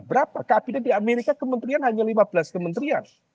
berapa kabinet di amerika kementerian hanya lima belas kementerian